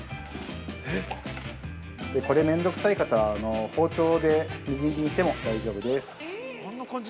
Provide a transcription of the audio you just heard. これ、面倒くさい方は、包丁でみじん切りにしても大丈夫です。